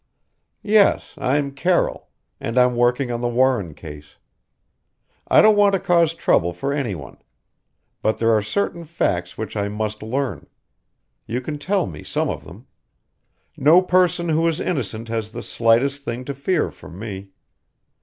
"Yes, I'm Carroll, and I'm working on the Warren case. I don't want to cause trouble for any one, but there are certain facts which I must learn. You can tell me some of them. No person who is innocent has the slightest thing to fear from me.